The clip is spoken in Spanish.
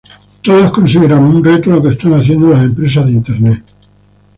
Todos consideramos un reto lo que están haciendo las empresas de Internet.